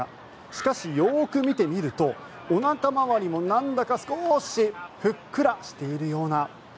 しかし、よーく見てみるとおなか回りもなんだか少しふっくらしているような。